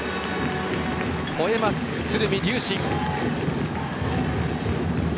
ほえます、鶴見龍辰。